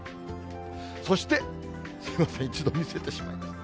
そして、すみません、一度見せてしまいました。